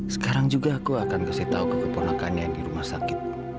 sekarang juga aku akan kasih tahu ke keponakannya di rumah sakit